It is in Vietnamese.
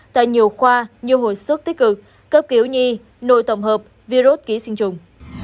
tại nhiều khoa nhiều hội sức tích cực cấp cứu nhi nội tổng hợp virus ký sinh trùng